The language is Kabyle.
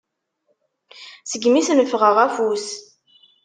Segmi asen-ffɣeɣ afus.